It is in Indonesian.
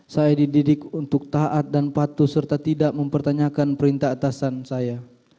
saya dididik untuk taat dan patuh serta tidak mempertanyakan perintah atasan saya